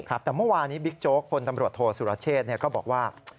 แต่เมื่อวานี้บิ๊กโจ๊กพลตำรวจโทษสุรเชษก็บอกว่า